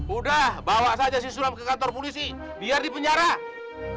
udah bawa saja sulam ke kantor polisi biar dipenjarakan